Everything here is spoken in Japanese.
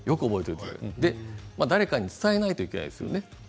誰かに伝えないといけないですね。